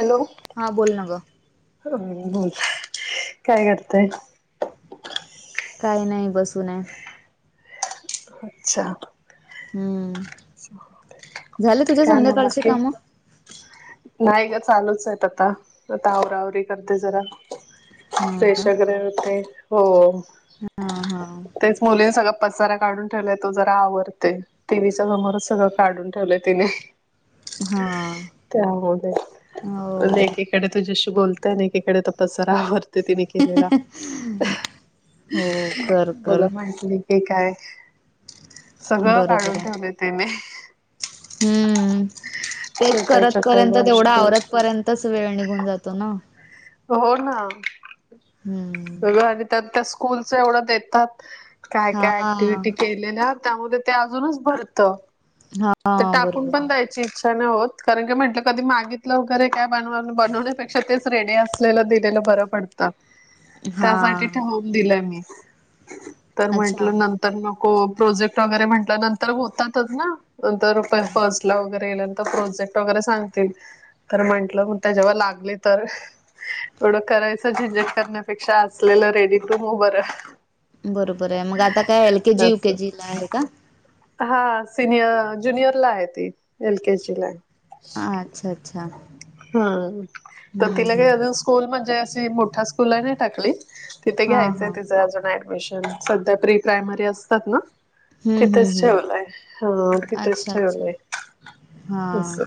Hello. हा बोल न ग. बला काय करतय? काही नाही बसूूनय. अच्छा. हम्म झालं तुझ्या काय मग संध्याकाळची बाकी कामं. नाही ग चालूच आहेत आता आता आवरावरी करते जरा. हा का प्रशगरे होते हो हा हा तेच मुली सगळं. पचारा काढून ठेलाय तो जरा आवरडते. मर सगळ काढून ठेवलंय तिने. हा त्या हो तेक इकडे तुज्याशी बोलताय न एकीकडे, तो पसारा आवरतेय. ते तिने केलेला. हो कर कर बोला, माहित नाही. हे काय, सगळं बरोबर काढून आहे ठेवले तेने. हम्म. तेच छोट्या छोट्या करतपर्यंत. तेवढं गोष्टी आवरतपर्यंतच, वेळ निघून जातो ना. हो, ना. हम. सगळं आणि त्यात त्या, स्कूलच एवढं देतात. काय- हा काय ऍक्टिव्हटी ते. तेला. त्यामध्ये ते अजूनच भरतं. हा. ते टाकून बरोबर पण आहे द्यायची, इच्छा नाही होत. कारण की म्हटलं, कधी मागित लवकर काय बनवा- बनवण्यापेक्षा, तेच रेडी असलेलं दिलेलं, बरं पडतं. हा त्यासाठी ठेवून दिलं मी. तर अच्छा म्हटलं, नंत तर नको. प्रोजेक्ट वगैरे म्हंटल, नंतर होतातच ना. नंतर फर्स्ट ला वगर ते नंतर प्रोजेक्ट वगैरे सांगतील. तर म्हंटलं, मग त्या जेव्हा लागले. तर एवढं करायचं झेंजेट करण्यापेक्षा, असलेलं रेडी टू मूव्ह बरं. बरोबरय मग आता काय, एल केजी, यू असं केेजी ला आहे का? हा सिनियर, ज्युनियर ला आहे ती. एल केजी लाय. हा. अच्छा - अच्छा. हा. तर हम्म तिला काय हम्म अजून, स्कूल म्हणजे, अशी मोठ्या स्कूल नाही टाकली. तिथे हा घ्यायचंय हा तिचं अजून ऍडमिशन. सध्या प्री- प्रायमरी असतात ना? हम्म, तिथेच हम्म, हम्म. ठेवलंय हा तिथेच अच्छा- अच्छा. ठेवलंय हा. असं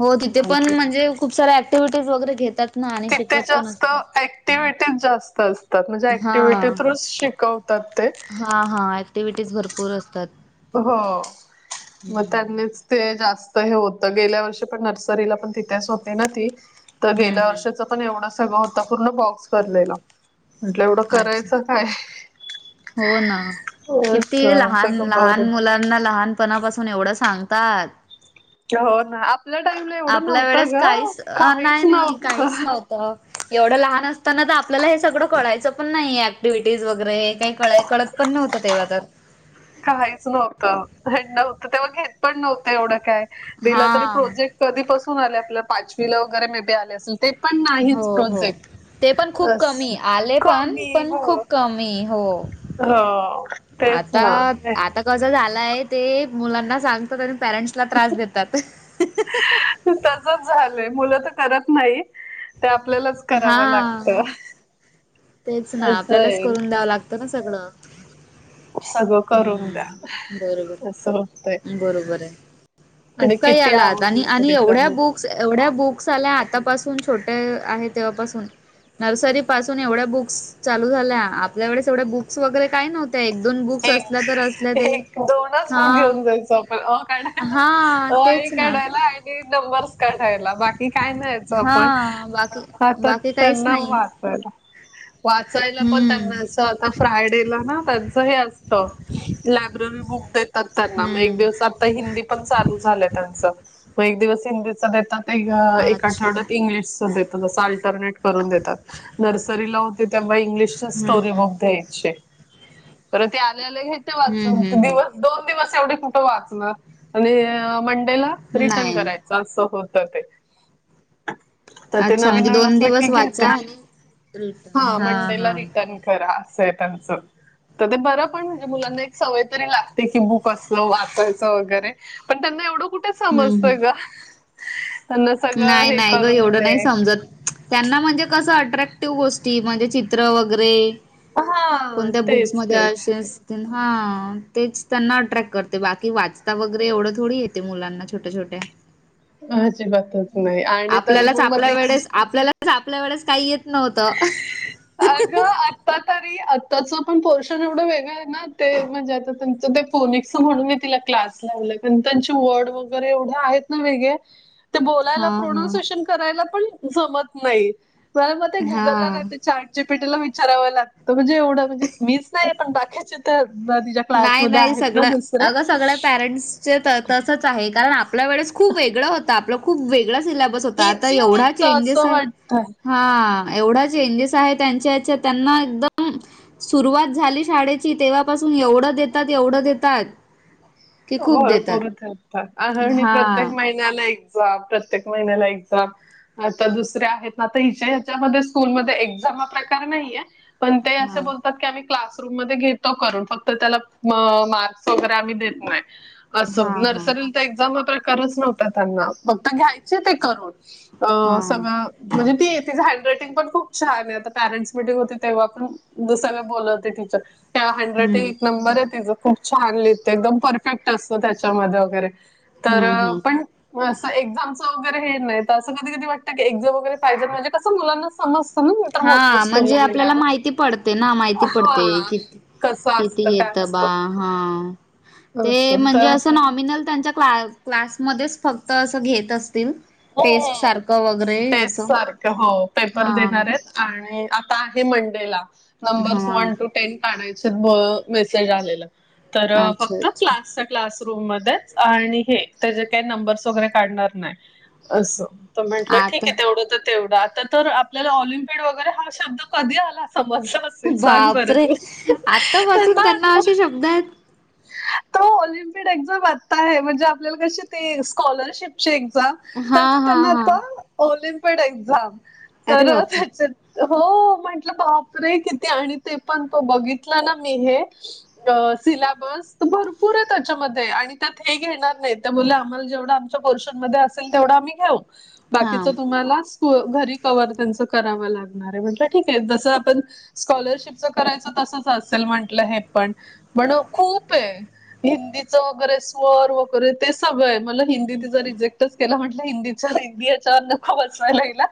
हो. तिथे पण म्हटलं म्हणजे, खूप साऱ्या ऍक्टिव्हिटीज वगैरे घेतात ना. आणि शिकवत पण असतात. क्टिव्हटी जास्त असतात. म्हणजे हा ऍक्टिव्हीटी् थ्रूच शिकवतात ते. हा, हा. ऍक्टिव्हिटीज भरपूर असतात. हो. मग हम्म त्यांनीच ते जास्त हे होत. गेल्या वर्षी पण, नर्सरीला पण तिथेच होती ना, ती तर हम्म गेल्या वर्षाच हम्म पण, एवढं सगळं होत. पूर्ण बॉक्स भरलेला. म्हटलं, एवढं अच्छा करायचं काय? हो, ना. किती, असं लहान- सगळं भरून लहान मुला ना, लहानपणापासून एवढं सांगतात. हो, ना. आपल्या टाईमला एवढं आपल्या वेळेस नव्हतं गं. काहीच अ, काहीच नाही नाही नव्हत. काहीच नव्हतं एवढं लहान असताना, तर आपल्याला हे सगळं कळायचं पण नाही. ऍक्टिव्हटीज वगैरे काही कळ- कळत पण नव्हतं. तेव्हा तर. कायच नव्हतं. हे नवतं तेव्हा. घेत पण नव्हतं. एवढं काय, दिलं तरी हा प्रोजेक्ट. कधीपसून आले. आपल्या पाचवीला वगैरे मे बी आले असेल. ते पण हो नाहीच हो प्रोजेक्ट. ते पण खूप कमी. असं आले पण, कमी पण हो खूप कमी. हो. हो तेच आता, ना आता कस झालाय, ते मुलांना सांगतात. आणि पेरेंट्स ला त्रास देतात. [inaudible] तसच झालय. मुलं तर करत नाही. ते आपल्यालाच हा. करावं लागतं तेच ना. असं आपल्यालाच आहे करून द्यावं लागतं ना सगळं. सगळं करून हम्म. द्या बरोबर. असं होतंय बरोबरय. खूप आणि काही किती आला आता. आवरलं आणि तरी एवढ्या कमी बुक क्स. एवढ्या बुक्स आल्या. आतापसून छोट्या आहे तेव्हापासून. नर्सरी पासून एवढ्या बुक्स चालू झाल्या, आपल्याकडे तेवढं बुक्स वैगेरे काही नव्हतं. एक, एक दोनच बुक हा घेऊन जायचो आपण. वो काढा. हा वो, आई तेच ना काढायला आणि नंबर्स काढायला बाकी काय न्यायचं हा आपण बाकी आता बाकी त, काहीच नाही नववात वाचायला पण हम्म त्यांना, अस आता फ्रायडेला ना. हे असत, लायब्ररी बुक देतात त्यांना म एक हम्म दिवसात हिंदी पण चालू झालं त्यांच, मग एक दिवस हिंदीच देतात. ह्या एका अच्छा आठवड्यात इंग्लिश देत, जसं शाळेत रनेट करून देतात, नर्सरीला होते तेव्हा इंग्लिशच्या हम्म स्टोरी बुक द्यायचे. तर ते आल्या-आले घेते हम्म वाचून, तो हम्म दिवस दोन दिवस एवढे कुठं वाचणार आणि मंडेला हम्म रिटर्न नाही करायचं. असं होत ते. तर ते अच्छा म्हणजे नवीन-नवीन दोन असलं की दिवस घेते, वाचा आणि रिटर्न हा मंडेला हा रिटर्न. खरा, सैतानच. तर ते बरं पण, म्हणजे मुलांना एक सवय तरी लागते की बुक असलं वाचायचं वगैरे. पण त्यांना एवढं कुठे हम्म हम्म समजतंय ग. त्यांना सगळं नाही, हे नाही ग करून एवढं दे नाही समजत. त्यांना म्हणजे कसं अट्रॅक्टिव्ह गोष्टी म्हणजे चित्र वगैरे. हा कोणत्या बुक्स तेच मध्ये तेच असेल. हा, तेच त्यांना अट्रॅक्ट करते बाकी वाचता वगैरे एवढं थोडी येते मुलांना छोट्या -छोट्या. अजिबातच होत नाही आणि तरी आपल्यालाच पण मग आपल्या तेच वेळेस आपल्यालाच आपल्या वेळेच काही येत नव्हतं. अगं आत्ता तरी, आत्ताच पण पोर्शन एवढं वेगळं आहे ना ते म्हणजे आता तुमचं ते कोणीक्स म्हणून मी तिला क्लास लावलाय, कारण त्यांचे वर्ड वगैरे एवढ आहेत ना वेगळेे ते बोलायला हा हा प्रोनान्सिएशन करायला पण जमत नाही, जरा मग ते गुगलला हा नाही तर चाट जी. पी. टी. ला विचारावं लागतं, म्हणजे एवढं म्हणजे मीच नाही पण बाकीचे तर तिच्य नाही, नाही सगळं अगं सगळ्या पॅरेंट्स तसच आहे, कारण आपल्या वेळेस खूप वेगळं होत, आपलं खूप वेगळा सिल्याबस होता, आता इझी एवढा होतं चेंजेस असं हाय. वाटतंय हा, एवढा चेंजेस आहे, त्यांच्याच्या त्यांना एकदम सुरुवात झाली शाळेची, तेव्हापासून एवढं देतात, एवढं देतात. की होय, खूप देतात भरपूर देतात आणि हा प्रत्येक माहित न्याला एक्झाम प्रत्येक महिन्याला एक्झाम. आता दुसरे आहेत ना, तर हिच्या ह्याच्यामध्ये स्कूलमध्ये एक्झाम हा प्रकार नाहीय. पण ते असे हा बोलतात कि आम्ही क्लासरूम मध्ये घेतो करून, फक्त त्याला मार्क्स वगैरे आम्ही देत नाही. असं, हा हा नर्सरीला तर एक्झाम हा प्रकारच नव्हता त्यांना. फक्त घ्यायचे ते करून. हा सगळं, म्हणजे ती तिचं हँड रायटिंग पण खूप छान आहे आता पॅरेंट्स मिीटिंग होती तेव्हा पण सगळ बोलवते टीचर, त्या हम्म हँडरायटिंग एक नंबर आहे तिचं, खूप छान लिहते एकदम पर फेक्ट असतो त्याच्यामध्ये वगैरे, तर हम्म हम्म पण असं एक्झामचं वगैरे हे नाही, तर अस कधी -कधी वाटतं कि एक्झम वगैरे पाहिजे, म्हणजे कस मुलाना हा, म्हणजे आपल्याला माहिती पडते ना माहिती हा पडते, किती कसं किती असतं काय येतं बा. असतं हा, ते असं म्हणजे तर असं नॉमिनल त्यांच्या क्ला क्लासमध्येच फक्त असं घेत असत. [unintelligible] तेच असं सारखे हो पेपर हा देणार आहेत आणि आता आहे मंडेला नंबर्स हा वन टू टेन काढायचं ब मेसेज आलेला तर अच्छा फक्त अच्छा क्लास सा क्लासरूम मध्येच आणि हे त्याजे काही नंबर्स वगैरे काढणार नाय असं. तर म्हटलं ठीक आता आहे तेवढं तर तेवढं आता तर आपल्याला ऑलिम्पिड वगैरे हा शब्द कधी आला समजलस न सेल सांग बरं बापरे तू आतापासून थंडा आहे त्यांना आता. असे शब्द आहेत तो ऑलिम्पिड एक्झाम आत्ता आहे म्हणजे आपल्याला कशी ते स्कॉलरशिपची एक्झाम हा तसं हा त्यांना हा आता ऑलिमपीड एक्झाम अरे तर बापरे त्याच्यात हो म्हटलं बापरे किती आणि ते पण तो बघितलं ना मी हे अ सिलेबस भरपूर आहे त्याच्यामध्ये आणि त्यात हे घेणार नाही त्या बोलल्या आम्हाला जेवढं च्या पोर्शन असेल तेवढा आम्ही घेऊ हा बाकिचे तुम्हाला तू अ घरी कवर त्यांच कराव लागणार आहे म्हणलं ठीक आहे जसं आपण स्कॉलरशिप च्या करायचं तसच असेल म्हंटलं हे पण पण खूप आहे. हिंदीचं वगैरे स्वर वगैरे ते सगळंय मले हिंदी तिचा रिजेक्टच केला म्हटल हिंदचा [unintelligible] याच्यावर नको बसावयला हिला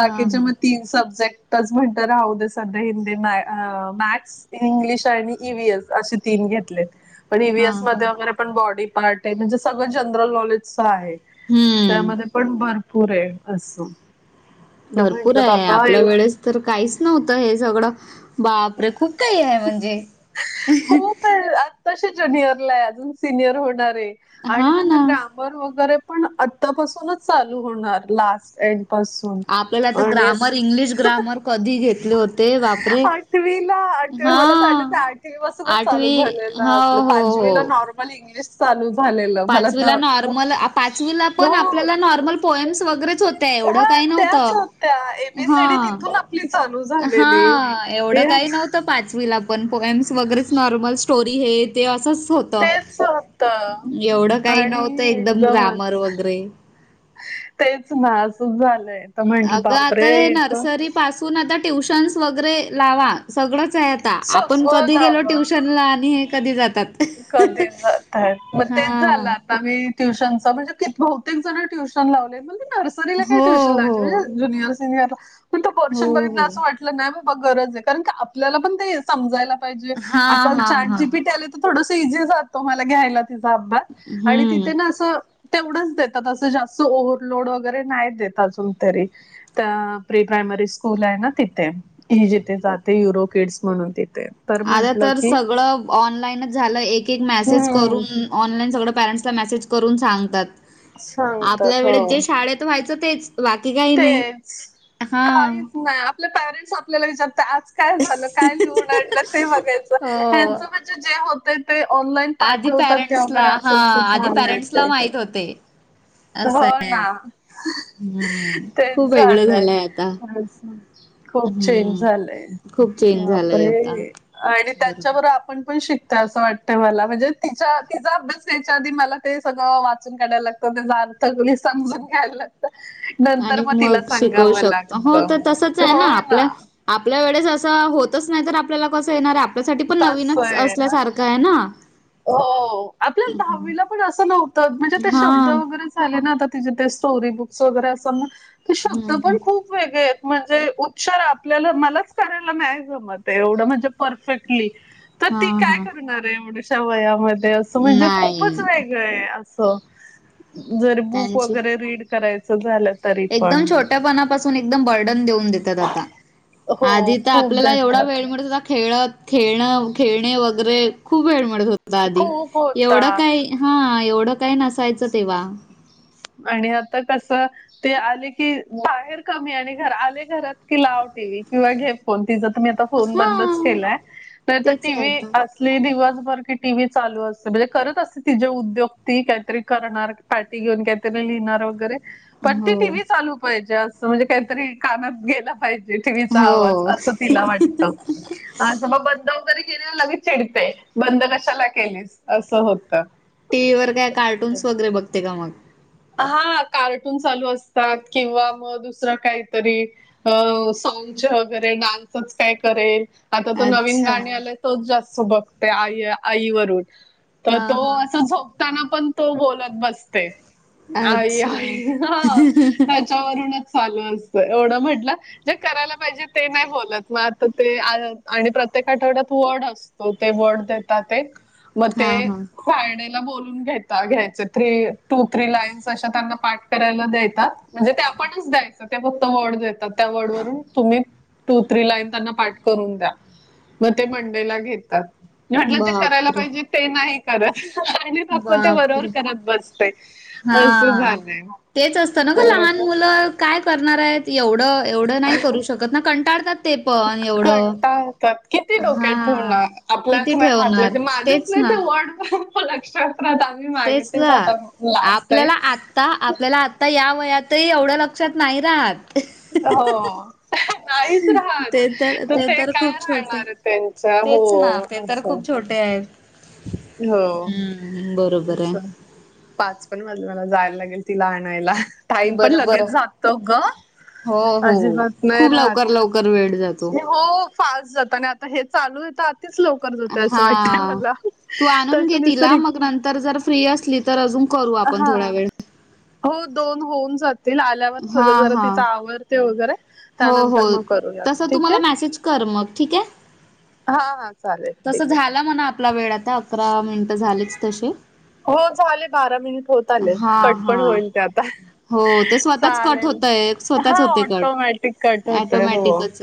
हा हा हा म तीन सब्जेक्टच म्हणत राहू दे सध्या हिंदी नाय अ मॅथ्स इंग्लिश आणि ईवीएस अशे तीन घेतलेत. पण ई वी एस मध्ये हा वगैरे पण बॉडी पार्ट आहे म्हणजे सगळं जनरल नॉलेजचं आहे. हम्म. त्यामध्ये पण भरपूर आहे असं. भरपूर म्हंटलं आहे बापा आपल्या एवढं वेळेस तर काहीच नव्हतं हे सगळं बापरे खूप काही आहे म्हणजे. त्यात तशी जुनिअर ला आहे अजून सिनियर होणार आहे आणि हा त्यांना ना ग्रा मर पण वगैरे पण आतापासूनच चालू होणार लास्ट एंड पासू आपल्याला आता ग्रामर इंग्लिश ग्रामर कधी घेतले हो आठवी ला आठवी मला तर वाटत आहे आठवी पासून चालू आठवी झाले ला हो आतलं हो पाचवीला हो नॉर्मल इंग्लिश चालू झालेलं मला पाचवीला तर नॉर्मल पाचवीला पण हो आपल्याला नॉर्मल पॉयम्स वैगेरेच हो ते एवढं हा काही त्याच नव्हतं होत्या एबीसीडी हा. तिथून आपली चालू झालेली हा एवढं हे, काही नव्ह तर पाचवीला पण पोएम्स वगैरेच नॉर्मल स्टोरी हे ते असंच होतं. स होतं एवढं काही नव्हतं आणि एकदम ग्रामर एकदमच वगैरे. तेच ना असच झालंय तर म्हटलं अगं आता बापरे हे तर नर्सरी पासून आता ट्युशन्स वगैरे लावा सगळच आहे आ ता आपण सगळं कधी गेलो ट्युशन ला आणि हे कधी जातात? कधी जात आहेत मग तेच हा. झाला आम्ही ट्युशनचा म्हणजे ते बहुतेक जणं ट्युशन लावले म्हणले नर सरीला काय हो टुश्यन हो. लावयचे ज्यूनिअर सिनियरला पण तो हो पोरशन बघितला हो. की असं वाट लं नाही बाबा गरज आहे कारण की आपल्याला पण ते समजायला पाहिजे हा आता हा चाट हा. G P. टी. आलं तर थोडस इझी जातो मला घ्यायला तिचा अभ्यात आणि हम्म. तिथे ना असं तेवढंच देतात असं जास्त ओव्हरलोड वगैरे नाही देत अजून तरी तर प्री प्रायमरी स्कूल आहे ना तिथे. ही जिथे जाते युरोकिड्स म्हणून तिथे. तर आल्या म्हंटलं तर की सगळं ऑनलाईनच झालं एक एक मॅसेज हम्म करून, ऑनलाईन सगळं पॅरेंट्सला मेसेज करून सांगतात. आपल्या सांगतात वेळेत हो जे शाळेत व्हायचं तेच. बाकी काही नाही. हा? आपल पेरेंट्स आपल्याला विचारतात आज काय झालं, काय लिहून आणलं ते बघायचं. हो ह्यांचं पण जे होतय ते ऑनलाईन आधी पाठवतात ते वगैरे अस अस झालं ते. श्रोते. हो ना? हम्म तेच खूप वेगळं झालंय. आता खूप चेंज हम्म झालंय. खूप चेंज झालंय आता बापरे! आणि त्यांच्याबरोबर बरोबर आपण पण शिक असं वाटतंय मला म्हणजे तिच्या, तिचा अभ्यास घ्यायच्या आधी मला ते सगळं वाचून काढायला लागतं ते सगळी समजून घ्याय लागत आणि मग शिकवू शकतो. हो ते तसच आहे ना आपल्या आपल्या वेळेस असं होतंच नाही तर आपल्याला कसं येणार आहे आपल्यासाठी पण तसं नवीनच आहे ना. असल्यासारखं आहे ना? हो. आपल्याला दहावीला पण असं नव्हतं, म्हणजे ते हा शब्द वगैरेच आले ना आता तिचे ते स्टोरी बुक्स वगैरे अस मग, शब्द हम्म हम्म पण खूप वेगळे आहेत म्हणजे उच्चार आपल्याला, मलाच करायला नाही जमत एवढं म्हणजे परफेक्ट. तर हा ती काय हा करणार एवढूश्या वयामध्ये असं म्हणजे खूपच नाही वे वेळ आहे अस. जर बुक त्यांची वगैरे रीड करायचं झालं तरी पण. एकदम छोट्यापणापासून एकदम बर्डन देऊन दे तात आता, हो आधी तर खूप आपल्याला एवढा देतात. वेळ मिळत होता खेळत खेळणं, खेळणे वगैरे खूप वेळ मिळत होता आधी. खूप एवढं होता. काय हा एवढं काही नसायचं तेव्हा. आणि आत्ता कस ते आले की बाहेर कमी आणि घरा, आले घरात की लाव टी. व्ही. किंवा घे फोन तिचा तुम्ही आता फोन बंदच हां, केलाय. नाहीतर तेच टी. आहे व्ही. आता. अस ली दिवसभर की टी. व्ही. चालू असते म्हणजे करत असते तिचे उद्योग ती काहीतरी करणार, पाटी घेऊन काय त्या लिहिणार वगैरे, पण ती हो, टीव्ही चालू पाहिजे म्हणजे काहीतरी कानात गेला पाहिजे टी. व्ही. चा आवाज हो. असं तिला वाटतं. [unintelligible] बंद वगैरे केेल्यावर लगेच चिडतेय. बंद कशाला केलेस? अस्स होतं. टी. व्ही. वर काय कार्टून्स वगैरे बघते का मग? हा कार्टून चालू असतात किंवा मग दुसरं काहीतरी हो सॉंग्सचं वगैरे डान्सच काय करेल. आता तो नवीन अच्छा. गाणी आलेय तोच जास्त बघते आई- आईवरून. तर हां, तो हां. असं झोपताना पण तो बोलत बसते. आई आई अच्छा. हा, त्याच्यावरूनच चालू असतय, एवढं म्हटलं जे करायला पाहिजे ते नाही बोलत मग आता ते आ आणि प्रत्येक आठवड्यात वर्ड अस तो. ते वर्ड देतात एक मग ते, हां, हां. फ्रायडे ला बोलून घेता, घ्यायच. थ्री, टू थ्री लाईन्स तशा त्यांना पाठ करायला देतात, म्हणजे ते आपणच द्यायचं तर ते फक्त वर्ड देतात, त्या वर्ड वरून तुम्ही टू थ्री लाईन त्यांना पाठ करून द्या. मग ते मंडेला घेतात. म्हटलं जे करायला बापरे! पाहिजे ते नाही करत आणि नको ते बरोबर बापरे! करत बसते. अस्स हां. झालंय. तेच असतं ना ग होय. लहान मुलं काय करणार आहेत? एवढं एवढं नाही करू शकत. तर ना कंटाळतात ते पण एवढं. कंटाळा येतात किती डोक्यात ठेवणार हा आपल्याच किती हातचं ठेवणार की माझं तेच नाही, ना ते वर्ड लक्षात राहतं. आम्ही मागे तेच आता लास्ट आहे. आपल्याला आता आपल्याला आता या वयातही एवढं लक्षात नाही राहात हो नाहीच राहत तर ते काय राहणार? त्यांचा, हो तेच ना असं ते हो हं बरोबर असं, आहे पाच पण वाजे मला जायला लागेल तिला आणायला टाईम पण बरं लगेच बरं जातो गं हो हो अजिबात नाही खूप राहत लवकर लवकर वेळ जातो हो फास्ट जातं आणि आता हे चालू आहे तर, अतिच लवकर जातंय असं हा वाटतय मला तू आणून घे तसं तिला, निसर्ग मग नंतर जर फ्री असली तर, अजून करू आपण हा थोडा वेळ हो, दोन होऊन जातील, आल्यावर हा सगळ जरा हा तिचं आवर ते वगैरे, हो हो त्यानंतर मग करूया, तसं तू ठीक मला आहे मेसेज कर मग ठीक आहे हा हा, चालेल, तसं ठीक आहे झाला म्हणा आपला वेळ आता अकरा मिनिटं झालेच, तसे. हो, झाले बारा मिनिटं, होत आले, हा कट पण हा होईल ते आता हो ते स्वतःच कट चालेल, होतय स्वतःच हा होते कट ऑटोमॅटिक कट होतोय, हो. ॲटोमॅटिकच